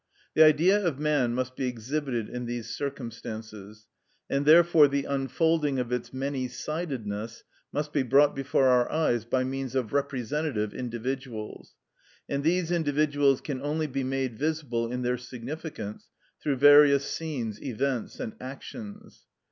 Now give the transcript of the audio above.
The Idea of man must be exhibited in these circumstances, and therefore the unfolding of its many sidedness must be brought before our eyes by means of representative individuals, and these individuals can only be made visible in their significance through various scenes, events, and actions.